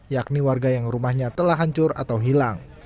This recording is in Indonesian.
yakni warga yang rumahnya telah hancur atau hilang